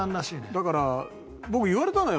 だから僕言われたのよ。